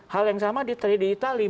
hal yang sama di itali